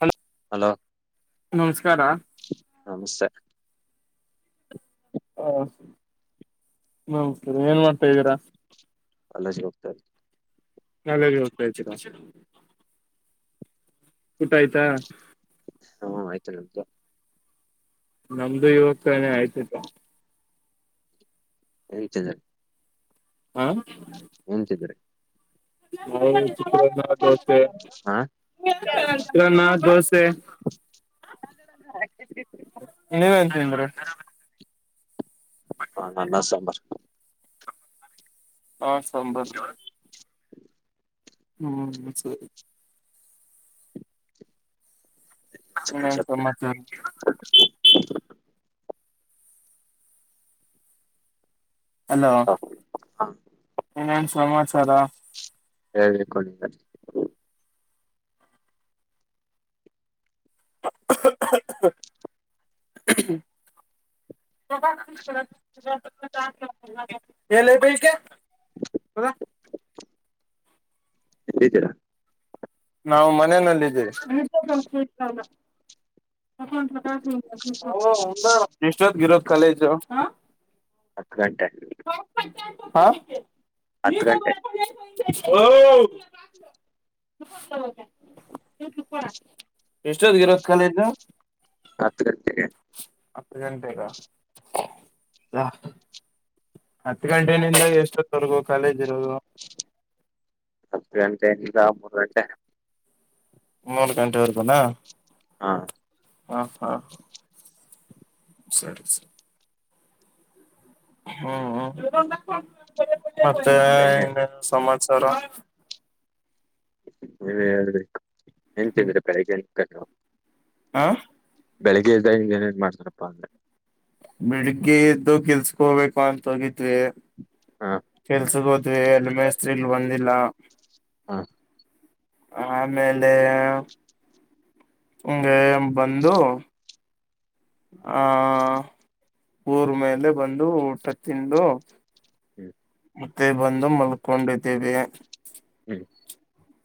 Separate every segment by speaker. Speaker 1: Hello
Speaker 2: hello
Speaker 1: ನಮಸ್ಕಾರ
Speaker 2: ನಮಸ್ತೆ
Speaker 1: ಹಾ ನಮಸ್ಕಾರ ಏನ್ ಮಾಡ್ತಾ ಇದೀರಾ.
Speaker 2: ಕಾಲೇಜಿಗ ಹೋಗ್ತಾ ಇದೀನಿ.
Speaker 1: ಕಾಲೇಜಿಗ ಹೋಗ್ತಾ ಇದೀರಾ. ಊಟ ಆಯ್ತಾ.
Speaker 2: ಹ್ಮ ಆಯ್ತು ನಿಮ್ದು.
Speaker 1: ನಮ್ದು ಇವಗ್ ತಾನೆ ಆಯಿತಿಕ.
Speaker 2: ಏನ್ ಚದರ್. ಏನ್ ತಿಂದ್ರಿ.
Speaker 1: ನಾವು ಚಿತ್ರಾನ್ನ ದೋಸೆ
Speaker 2: ಹಾ
Speaker 1: ಚಿತ್ರಾನ್ನ ದೋಸೆ.
Speaker 2: [unintelligible]
Speaker 1: ನೀವೇನ್ ತಿಂದ್ರಿ.
Speaker 2: ನಾನ್ ಅನ್ನಾ ಸಾಂಬರ್.
Speaker 1: ಆ ಸಾಂಬರ್.
Speaker 2: [inaudible]
Speaker 1: ಹ್ಮ್ ಸರಿ. ಇನ್ನೇನ್ ಸಮಾಚಾರ.
Speaker 2: [unintelligible]
Speaker 1: ಈನೇನ್ ಸಮಾಚಾರ.
Speaker 2: ಹೇಳ್ಬೇಕು ನೀವೇ
Speaker 1: [unintelligible]
Speaker 2: ಎಲ್ಲಿದಿರಾ.
Speaker 1: ನಾವು ಮನೆನಲ್ಲಿ ಇದಿವಿ. [unintelligible] ಎಷ್ಟೊತ್ತಿಗ ಇರೋದ. ಕಾಲೇಜು ಹಾ
Speaker 2: ಹತ್ತು ಗಂಟೆ
Speaker 1: ಹ
Speaker 2: ಹತ್ತು ಗಂಟೆ
Speaker 1: ಓ [unintelligible] [unintelligible]
Speaker 2: [inaudible]
Speaker 1: ಎಷ್ಟೊತ್ತಿಗ ಇರೋದು ಕಾಲೇಜು
Speaker 2: ಹತ್ತ ಗಂಟೆಗೆ.
Speaker 1: ಹತ್ತು ಗಂಟೆಗ ಹತ್ತು ಗಂಟೆಯಿಂದ ಎಷ್ಟೊತ್ತವರ್ಗೂ ಕಾಲೇಜ್ ಇರೋದು.
Speaker 2: ಹತ್ತು ಗಂಟೆಯಿಂದ ಮೂರು ಗಂಟೆ.
Speaker 1: ಮೂರು ಗಂಟೆ ವರೆಗೂ ನ
Speaker 2: ಹಾ
Speaker 1: ಹಾ ಹಾ ಸರಿ ಸರಿ ಹ್ಮ್ ಹ್ಮ್ ಮತ್ತೆ
Speaker 2: ಸರಿ
Speaker 1: ಇನ್ನೇನು ಸಮಾಚಾರ.
Speaker 2: ನೀವೇ ಹೇಳ್ಬೇಕು, ಏನ್ ತಿಂದ್ರಿ ಬೆಳಗ್ಗೆಯಿನ್ [unintelligible]
Speaker 1: ಹಾ
Speaker 2: ಬೆಳಿಗ್ಗೆ ಎದ್ದಗ್ ಇನ್ನೇನು ಮಾಡ್ತಾರಪ್ಪ ಅಂದೆ.
Speaker 1: ಬೆಳಗ್ಗೆ ಎದ್ದು ಕೆಲಸಕ್ಕೆ ಹೋಗಬೇಕು ಅಂತ ಹೋಗಿದ್ ಯೆ
Speaker 2: ಹಾ
Speaker 1: ಕೆಲ್ಸ ಹೋದ್ ಅಲ್ಲಿ ಮೆಸ್ತ್ರೀನು ಬಂದಿಲ್ಲ.
Speaker 2: ಹಾ
Speaker 1: ಆಮೇಲೆ ಹಂಗೆ ಬಂದು ಆ ಊರ್ ಮೇಲೆ ಬಂದು ಊಟ ತಿಂದು
Speaker 2: ಹ್ಮ್
Speaker 1: ಮತ್ತೆ ಬಂದು ಮಲ್ಕೊಂಡಿದ್ದೀವಿ.
Speaker 2: ಹ್ಮ್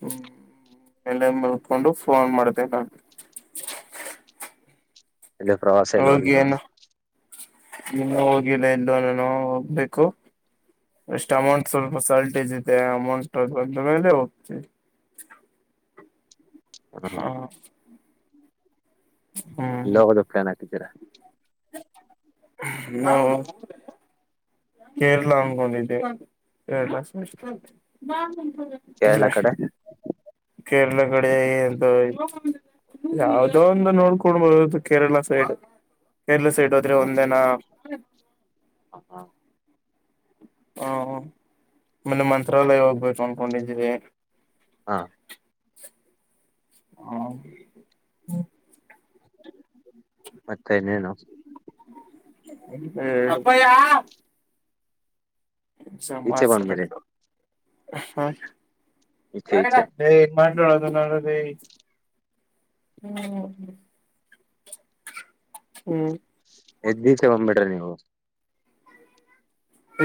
Speaker 1: ಹ್ಮ್ ಅಲ್ಲೇ ಮಲ್ಕೊಂಡು ಫೋನ್ ಮಾಡ್ದೆ ನಾನ್.
Speaker 2: ಎಲ್ಲೂ ಪ್ರವಾಸ ಎಲ್ಲೂ ಹೋಗಿಲ್ವಾ?
Speaker 1: ಇನ್ನ ಹೋಗಿಲ್ಲ ಎಲ್ಲೋ ನಾನು ಹೋಗ್ಬೇಕು ಎಷ್ಟು ಅಮೌಂಟ್ ಸ್ವಲ್ಪ ಸಲ್ಟೇಜ್ ಇದೆ ಅಮೌಂಟ್ ಬಂದ್ ಮೇಲೆ ಹೋಗ್ತೀವಿ.
Speaker 2: ಹ್ಮ
Speaker 1: ಹಾ
Speaker 2: ಎಲ್ಲಿ ಹೋಗೋದಕ್ಕೆ ಪ್ಲಾನ್ ಹಾಕಿದ್ದೀರಾ?
Speaker 1: ಇನ್ನು ಕೇರಳ ಅಂಗೊಂಡಿದೆ ಕೇರಳ ನೆಸ್ಟ್ ಮ
Speaker 2: ಕೇರಳ
Speaker 1: ಅಂದ್ರೆ
Speaker 2: ಕಡೆ
Speaker 1: ಕೇರಳ ಕಡೆಗೆ ಯಾವದೋ ಒಂದು ನೋಡ್ಕೊಂಡ್ ಬರುದು ಕೇರಳ ಸೈಡ್. ಕೇರಳ ಸೈಡ್ ಹೋದ್ರೆ
Speaker 2: ಹ್ಮ್,
Speaker 1: ಒಂದೇನ
Speaker 2: ಹಾ ಹಾ
Speaker 1: ಹ್ಮ ಅಮೇಲೆ ಮಂತ್ರಾಲಯ ಹೋಗ್ಬೇಕು ಅನ್ಕೊಂಡಿದ್ದೀವಿ.
Speaker 2: ಹಾ
Speaker 1: ಹಾ ಹ್ಮ
Speaker 2: ಮತ್ತೆ ಇನ್ನೇನು.
Speaker 1: ಹ್ಮ್ ಅಪ್ಪಯ್ಯ ಸ
Speaker 2: ಈಚೆ
Speaker 1: ಮಾರ್ಸ
Speaker 2: ಬಂದ್ಮೇಲೆ
Speaker 1: [unintelligible] ಹಾ
Speaker 2: ಈಚೆ ಈಚೆ
Speaker 1: ಏಯ್ ಮಾಡಟೋರದು ನದೆ [unintelligible] [inaudible]
Speaker 2: ಎದೀಚ್ಚೆ ಬಂದ್ಬಿಡ್ರಿ ನೀವು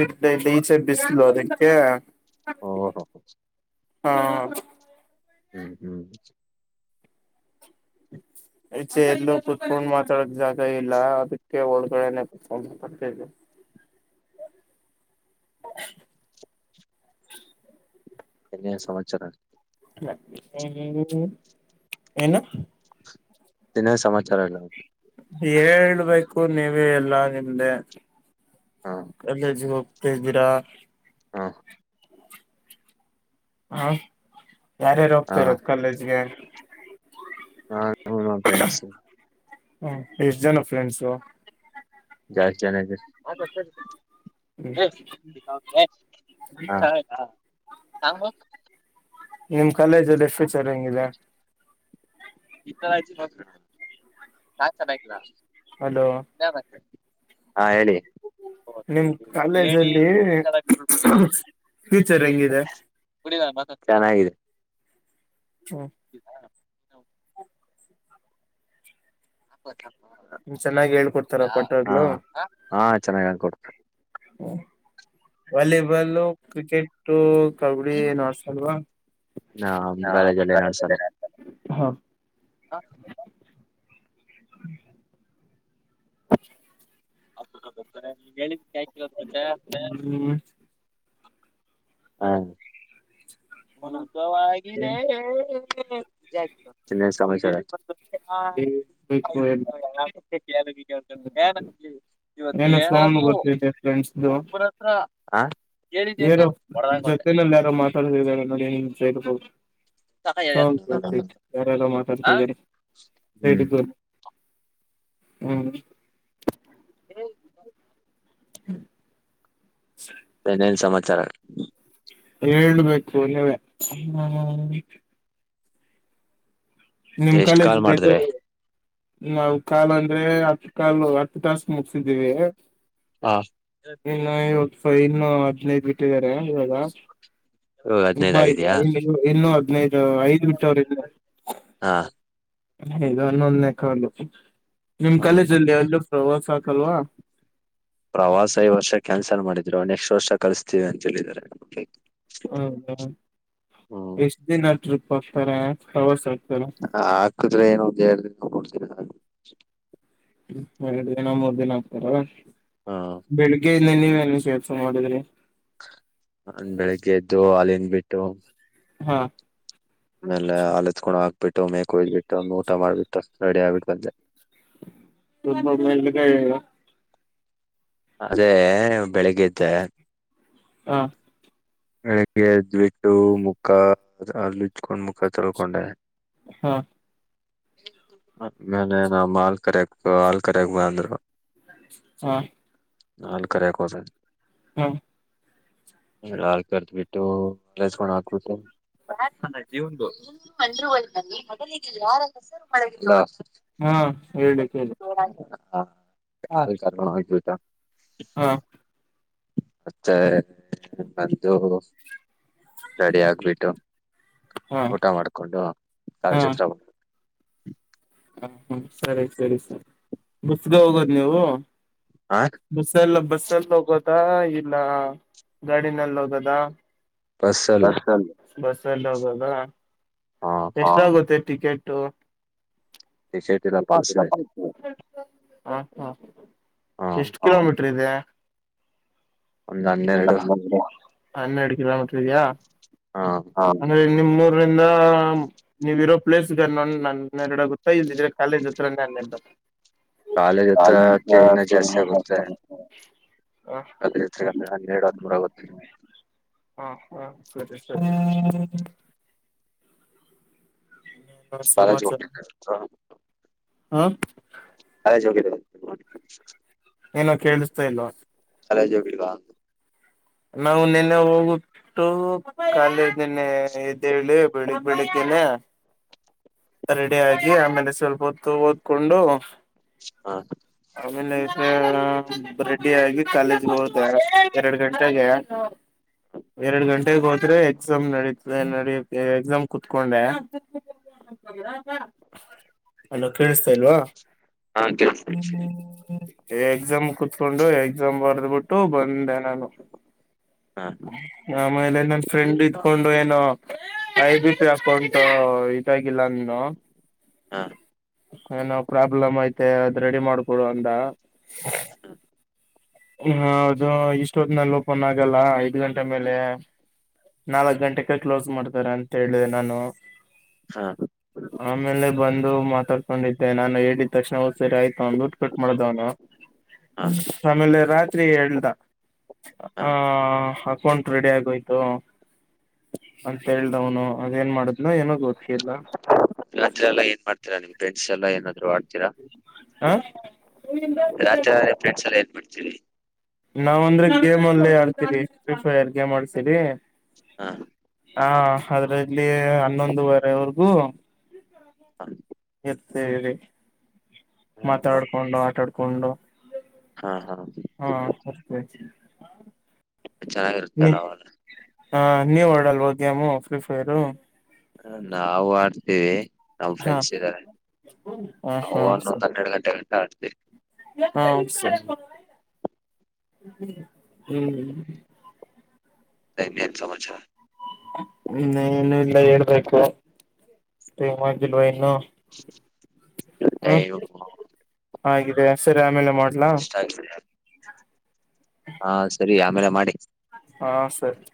Speaker 1: ಇ ಈಚೆ ಬಿಸ್ಲು ಅದಕ್ಕೆ
Speaker 2: ಓ ಓಹೋ
Speaker 1: ಹಾ
Speaker 2: ಹ್ಮ್ ಹ್ಮ್
Speaker 1: ಇ ಚೆ ಎಲ್ಲ ಕುೂತ್ಕೊಂಡೊಂಡು ಮಾತಾಡೋದು ಜಾಗ ಇಲ್ಲ ಅದಕ್ಕೆ ಒ ಬೆ [unintelligible] [inaudible]
Speaker 2: ಎನ್ನ ಸಮಚರ
Speaker 1: ಹ್ಮ್ ಹ್ಮ್ ಹ್ಮ್ ಏನ
Speaker 2: ದಿನ ಸಮಾಚಾರ ಆಗ್ಲ್ತು
Speaker 1: ಹೇಳ್ಬೇಕು ನೀವ ಎಲ್ಲಾ ನಿಮ್ದೆ
Speaker 2: ಹಾ
Speaker 1: ಅಲ್ಲೇಜವ ತಜಬರ [unintelligible]
Speaker 2: ಹಾ [inaudible]
Speaker 1: ಹಾ ಯಾರ್ಯಾರು ಹೋಗ್ತಾ ಇರೋದು ಕಾಲೇಜ್ಗೆ
Speaker 2: ಹಾ ಹಾ ಪ್ರೆಂಡ್ಸ್
Speaker 1: ಹ ಎಷ್ಟ ಜನ ಫ್ರೆಂಡ್ಸು
Speaker 2: ಜಾಸ್ ಜಾನ ಹ ಹ
Speaker 1: ಹ್ಮ್
Speaker 2: ಸ ಮ [unintelligible]
Speaker 1: ನಿಮ [inaudible] ಕಾಲೇಜ್ ಅಲ್ಲಿ ಫ್ಯೂಚರ್ ಹೆಂಗಿದೆ
Speaker 2: ಇತ ಮಾತ್ರ [unintelligible] ಕ ಚಲಯಕ್ಲಾ
Speaker 1: ಅಲೋ
Speaker 2: ಹಾ ಹೇಳಿ ಓ
Speaker 1: ನಿಮ್
Speaker 2: ಹೇಳಿ
Speaker 1: ಕಾಲೇಜಲ್ಲಿ
Speaker 2: ಇ್ಷಬೇಕ
Speaker 1: ಫ್ಯೂಚರ್ ಹೆಂಗಿದೆ
Speaker 2: ಕುಡಿದ ಚೆನ್ನಾಗಿದೆ
Speaker 1: ಹ್ಮ್
Speaker 2: ಇ ಹೌ ಹಬ್ಬತ್ತ
Speaker 1: ಚೆನ್ನಾಗಿ ಹೇಳ್ಕೊಡ್ತಾರ
Speaker 2: ಹ
Speaker 1: ಪಟ್ವಾಗ್ಲು
Speaker 2: ಹಾ ಚೆನ್ನಾಗನ್ಕಡ್ತ
Speaker 1: ವಾಲಿಬಲ್ ಕ್ರಿಕೆಟ್ ಕಗ ನಸಲ್
Speaker 2: ನಮ್ ಕಾಲೇಜಲ್ಲಿ ನಡ್ಸಲ್ಲ
Speaker 1: ಹ್ಮ
Speaker 2: ಹಬ್ಬತಾರೆ ನೀಗ ಹೇಳಿದ ಹಾ ವಲ ಸುಖವಾಗಿದೆ ಸಮಯ್ಯ ಆ
Speaker 1: ಬೇಕು ಎಲ್ಲ
Speaker 2: ಏನಲ್ಲಿ ಇವತ್ತು
Speaker 1: ಏನೋ ಸೌಂಡ್
Speaker 2: ಏನಾದೂ
Speaker 1: ಬರ್ತಿದೆ
Speaker 2: ಒಬ್ಬರ ಹತ್ರ ಹಾ
Speaker 1: ಯರೋ ಜೊತನಲ್ಲ ಯಾರೋ ಮಾತಾಡತ ನೋ ನಿಂತ ಇರ್ಬಹದು ಹೌ ಸ ಯಾರೆಲ್ಲ ಮಾತಾಡ್ಕಿ ಸೈ
Speaker 2: ಹ್ಮ್
Speaker 1: ಹ್ಮ್
Speaker 2: ಹ
Speaker 1: ಹ್ಮ
Speaker 2: ನ್ನೇನ್ ಸಮಾ ಚರ
Speaker 1: ಹೇಳ್ಬೇಕು ನೀವೆ ನಿಮ್
Speaker 2: ಎಷ್ಟ್ ಕಾಲ್
Speaker 1: ಕಾಲೇಜಲ್ಲಿಲ್ಲ
Speaker 2: ಮಾಡಿದ್ರೆ
Speaker 1: ನಾವು ಕಾಲು ಅಂದ್ರೆ ಹತ್ ಕಾಲು ಹತ್ತು ತಾಸ ಮುಗಿಸಿದ್ದೀವಿ
Speaker 2: ಹಾ
Speaker 1: ಇಲ್ಲ ಇವತ್ತು ಇನ್ನು ಹದ್ನೈದು ಬಿಟ್ಟಿದ್ದಾರೆ ಇವಾಗ
Speaker 2: ಹದಿನೈದ್
Speaker 1: ಇಲ್ಲ
Speaker 2: ಆಗಿದ್ಯಾ
Speaker 1: ಇ ಇ ಇನ್ನು ಹದ್ನೈದು ಐದ್ ಬಿಟ್ಟವರು ಇಲ್ಲ
Speaker 2: ಹಾ
Speaker 1: ಹದುನ್ನೊಂದಕಲ್ಲ ನಿಮ್
Speaker 2: ಹಾ ಹಾ
Speaker 1: ಕಾಲೇಜಲ್ಲಿ ಎಲ್ಲ ಪ್ರವಾಸ ಆಕಲ್ವಾ
Speaker 2: ಪ್ರವಾಸ ಈ ವರ್ಷ ಕ್ಯಾನ್ಸಲ್ ಮಾಡಿದ್ರು ನೆಕ್ಸ್ಟ್ ವರ್ಷ ಕಳಿಸಸ್ತೀವಿ ಅಂತ ಹೇಳಿದ್ದಾರೆಗೆ
Speaker 1: ಹ್ಮ ಹ ಎಸದೇ ನಾಟ ಹತರ ಹ ಸ
Speaker 2: ಹ ಹಾಕುದ್ರೆ ಏನು ಉದ ಹೇಳಿ ಕೊಡ್ತ ಹ
Speaker 1: ಎರಡು ದಿನ ಮೂರ್ ದಿನ ಆಗ್ತಾರ
Speaker 2: ಹಾ
Speaker 1: ಬೆಳಿಗ್ಗೆ ಇ ನೀವೆಲ್ಲ ಕೆೇಲ್ಸ ಮಾಡಿದ್ರಿ
Speaker 2: ಹಂದ ಬೆಳಿಗ್ಗೆ ಎದ್ದು ಅಲ್ಲಿಂದ ಬಿಟ್ಟು
Speaker 1: ಹಾ
Speaker 2: ಆಮೇಲೆ ಅಲೆತ್ಕೊಂಡು ಹಾಕ್ಬಿಟ್ಟು ಮೇಕಕಯ್ದ್ಬಿಟ್ಟು ಒಂದು ಊಟ ಮಾಡ್ಬಿಟ್ಟು ಅಷ್ಟ ರೆಡಿ ಆಗ್ಿಬಿಟ್ಟು ಬಂದೆ
Speaker 1: ತುಂಬ ಮ
Speaker 2: ಅದೇ ಬೆಳಿಗ್ಗೆ್ದ
Speaker 1: ಹಾ
Speaker 2: ಬೆಳಗ್ಗೆ ಎದ್ ಬಿಟ್ಟು ಮುಖ ಅಲ್ಲಿ ಇಚ್ಕೊಂಡ್ ಮುಖ ತೊಳ್ಕೊಂಡೆ
Speaker 1: ಹಾ
Speaker 2: ಮಲೆ ನ ಮಲ್ ಕ ಆಲ್ ಕಕ್ ಬ ಅಂದ್ರ
Speaker 1: ಹಾ
Speaker 2: ಹಾಲ್ ಕೆ ಕೊದ
Speaker 1: ಹಾ
Speaker 2: ಹ ಕರ್ದ ಬಿಿಟ್ಟು ಕಸ್ಕೊಂಡ್ ಹಾಕ
Speaker 1: ಹಾ ಹೇಳಲಿಕ್ಕೆಿ
Speaker 2: ಹಾ ಕ ಅಕಾರ ಗಣತತ
Speaker 1: ಹಾ
Speaker 2: ಮತ್ತೆ ಬಂದು ರೆಡಿ ಆಗ್ಬಿಟ್ಟು
Speaker 1: ಹಾ
Speaker 2: ಊಟ ಮಾಡ್ಕೊಂಡು
Speaker 1: ಹಾ
Speaker 2: ಕಲಚಿತ್ರ
Speaker 1: ಹ ಹ್ಮ ಸರಿ ಸರಿ ಸರಿ ಬಸ್ಗ ಹೋಗೋದ್ ನೀವು
Speaker 2: ಹ
Speaker 1: ಬಸಲ್ಲ ಬಸಲ್ ಇಲ್ಲ ಗಾಡಿನಲ್ಲಿ ಹೋಗದ
Speaker 2: ಬಸ್ ಅಲ್ಲಿ
Speaker 1: ಅಲ್ಲ ಬಸ ಎಲ್ಲೋಗಾಗ
Speaker 2: ಹ
Speaker 1: ಎಷ್ಟಾಗತ್ತೆ ಟಿಕೆಟ್
Speaker 2: ಟಿಕೆಟ್ ಇಲ್ಲ ಪಾಸ್ ಇದೆ
Speaker 1: ಹಾ
Speaker 2: ಹ
Speaker 1: ಎಷ್ಟು ಕಿಲೋಮೀಟರ್ ಇದೆ
Speaker 2: ಒಂದ್ ಹನ್ನೆರಡು
Speaker 1: ಹ ಹನ್ನೆಡು ಕಿಲೋಮೀಟರ್
Speaker 2: ಹ
Speaker 1: ಸರಿಯಾಂದೆ ನಿಮ್ಮೂರಿಂದ ನೀವ ಇರೋ ಪ್ಲೇಸ್ಗನ್ನ ನ ನನ್ನ ಎರಡ ಗೊತ್ತಾ ಇದಿದ್ರೆ ಕಾಲ ಹತ್ರ ನಾನೆರಡ
Speaker 2: ಕಾಲೇಜ್
Speaker 1: ತಾಲಮ
Speaker 2: ಹತ್ರಕ್ಕೆ
Speaker 1: ಸ
Speaker 2: ಅದಂದ್ರೆ ನ ಎರಡು ಹತ್ಮರಗತ್ತಿ
Speaker 1: ಹಾ ಹಾ ಸ ಹ್ಮ
Speaker 2: ಪಾಲ ಜೋಗ
Speaker 1: ಹಾ
Speaker 2: ಕಾಲೇಜ್ ಹೋಗಿಲ್ವಾ
Speaker 1: ಏನೋ ಕೇಳಿಸ್ತಾ ಇಲ್ವಾ
Speaker 2: ಕಲಜ ಬಿು
Speaker 1: ನಾವು ನಿೆನ್ನೆ ಹೋಗಟ್ಟು ಕಾಲೇಜನೆೆ ಇದ್ದೆೇಳಿ ಬೆಳಿಗ್ ಬೆಳಿಗ್ೇನೆ ರೆಡಿ ಆಗಿ ಆಮೇಲೆ ಸ್ವಲ್ಪ ಹೊತ್ತು ಓದ್ಕೊಂಡು
Speaker 2: ಹ
Speaker 1: ಆಮೇ ನಷ ರೆಡಿ ಆಗಿ ಕಾಲೇಜ್ಗೆ ಹೋತ ಎರಡ್ ಗಂಟೆಗೆ ಎರಡ್ ಗಂಟೆೆಗೆ ಹೋದ್ರೆ ಎಕ್ಸಾಮ್ ನಡತ ನಡ ಎಕ್ಸಾಮ್ ಕುೂತ್ಕೊಂಡೆ ಅಲೋ ಕೇಳಸ್ತ ಸಲ್ವಾ
Speaker 2: ಹ ಕೇಳ್
Speaker 1: ಎಕ್ಸಾಮ್ ಕುೂತ್ಕೊಂಡು ಎಕ್ಸಾಮ್ ಬರೆದ್ ಬಿಿಟ್ಟು ಬಂದೆ ನಾನು
Speaker 2: ಹ
Speaker 1: ಆಮೇಲೆ ನನ್ ಫ್ರೆಂಡ್ ಇದಕೊಂಡು ಏನೋ ಐ ಬ ಅಕ ಉಂಟು ಈತ ಇಲನ್ನ
Speaker 2: ಹ
Speaker 1: ಏನೋ ಪ್ರಾಬ್ಲಮ್ ಐತೆ ಅದ್ ರೆಡಿ ಮಾಡ್ ಹಡ ಅಂತ ಹೌದು ಇಷ್ಟ ಹೊತ್ತ ನಲ್ಲಿ ಓಪನ್ ಆಗಲ್ಲ ಐದ್ ಗಂಟೆ ಮೇಲೆ ನಾಲ್ಕ್ ಗಂಟೆಕ ಕ್ಲೋಸ್ ಮಾಡ್ತಾರ ಅಂತ ಹೇಳಿದೆ ನಾನು
Speaker 2: ಹ
Speaker 1: ಆಮೇಲೆ ಬಂದು ಮಾತಾಡ್ ತಕೊಂಡಿದ್ದೆ ನಾನು ಹೇಳಿದ ತಕ್ಷಣ ಹದ್ ಸರಿ ಆಯತು ದುಡ್ ಕಟ್ ಮಾಡದ
Speaker 2: ಹ
Speaker 1: ರಾತ್ರಿ ಎಳ್್ದ
Speaker 2: ಹ
Speaker 1: ಆ ಕಕಂಟ ರೆಡಿ ಆಗೋಯ್ತು ಅಂತ ಹೇಳ್ದವನು ಮೇನ್ ಮಾಡುದ್ನ ಏನ ಗೊತ್ತ್ಕಿಲ್ಲ
Speaker 2: ಮಷ ಎಲ್ಲ ಏನಾದ್ರು ಆಡ್ತೀರಾ ರಾತ್ರಿ ಎಫ್ರೆಂಡ್ ಸಲ ಏನ್ ಮಾಡ್ತಿ ಸರಿ
Speaker 1: ನಾವ ಅಂದ್ರೆ ಗೇಮ್ ಅಲ್ಲೇ ಹೇಳ್ತೀವಿ ಫ್ರೀಫೈರ್ ಅಜ ಮಾಡ್ಸರಿ
Speaker 2: ಹಾ
Speaker 1: ಹಾ ಅದ್ರಲ್ಲಿ ಹನ್ನೊಂದುವರೆವರ್ಗೂ
Speaker 2: ಹ
Speaker 1: ಸರಿರಿ
Speaker 2: ಹ
Speaker 1: ಮಾತಾಡ್ಕೊಂಡು ಆಟಾಡ್ು ಕುೊಂಡ
Speaker 2: ಹ ಹ ಹ
Speaker 1: ಹಾ ಸಷ್ಟಕ
Speaker 2: ಚೆನ್ನಾಗಿರುತ್ತಲ್ಲ ಅವಲ್ಲ
Speaker 1: ಹಾ ನೀವಡಲ್ವ ಗೇಮು ಫ್ರೀ ಫೈರ್
Speaker 2: ಹ ನಾವು ಆಡ್ತಿವಿ
Speaker 1: ಹಾ ಹ ಹ
Speaker 2: ಅವನು
Speaker 1: ಸ
Speaker 2: ಒಂದ್ ಹನ್ನೆರಡು ಗಂಟೆ ಗಂಟ ಆಡ್ತೀವಿ
Speaker 1: ಹ ಸ ಹ್ಮ್
Speaker 2: ಸ ಇನ್ನೇನ್ ಸಮಾಚಾರ
Speaker 1: ಹ್ಮ ಇನು ಇಲ್ಲ ಹೇಳ್ಬೇಕು ಟೈಮ್ ಆಗಿಲ್ವ ಇನ್ನು ಹ್ಮ್
Speaker 2: [unintelligible]
Speaker 1: ಆಗಿದೆ ಸರಿ ಆಮೇಲೆ ಮಾಡ್ಲಾ
Speaker 2: [unintelligible] ಹಾ ಸರಿ ಆಮೇಲೆ ಮಾಡಿ
Speaker 1: ಹಾ ಸರಿ